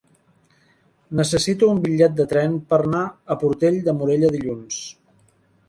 Necessito un bitllet de tren per anar a Portell de Morella dilluns.